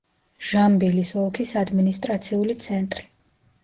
ჟამბილის ოლქის ადმინისტრაციული ცენტრი.